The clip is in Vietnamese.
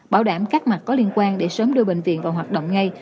bảo đảm các mặt có liên quan để sớm đưa bệnh viện vào hoạt động ngay